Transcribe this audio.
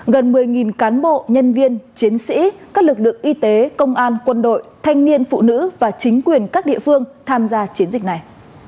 gần một mươi cán bộ nhân viên chiến sĩ các lực lượng y tế công an quân đội thanh niên phụ nữ và chính quyền các địa phương tham gia chiến dịch này